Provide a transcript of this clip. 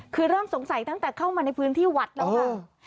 คือเริ่มสงสัยตั้งแต่เข้ามาในพื้นที่วัดแล้วค่ะ